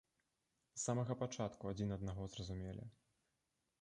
З самага пачатку адзін аднаго зразумелі.